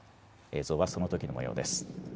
映像はそのときのもようです。